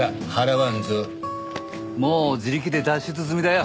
もう自力で脱出済みだよ！